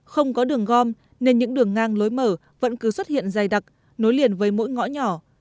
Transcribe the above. không có đường gom nên những đường ngang lối mở vẫn cứ xuất hiện dày đặc nối liền với mỗi ngõ nhỏ